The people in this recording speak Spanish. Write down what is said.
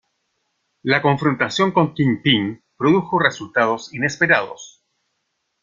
La confrontación con Kingpin produjo resultados inesperados.